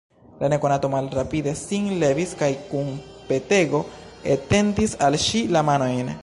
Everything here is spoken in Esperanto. La nekonato malrapide sin levis kaj kun petego etendis al ŝi la manojn.